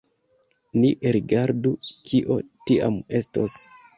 Ni rigardu, kio tiam estos.